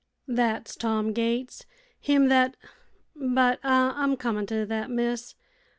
"Thet's Tom Gates, him thet but I'm comin' to thet, miss.